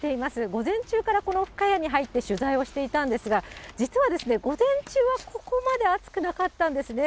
午前中からこの深谷に入って取材をしていたんですが、実は午前中はそこまで暑くなかったんですね。